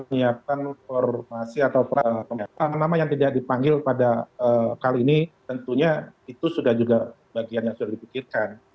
menyiapkan formasi atau peran nama nama yang tidak dipanggil pada kali ini tentunya itu sudah juga bagian yang sudah dipikirkan